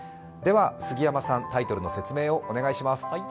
では杉山さん、タイトルの説明をお願いします。